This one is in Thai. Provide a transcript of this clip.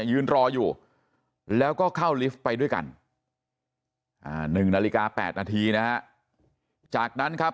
ยืนรออยู่แล้วก็เข้าลิฟต์ไปด้วยกัน๑นาฬิกา๘นาทีนะฮะจากนั้นครับ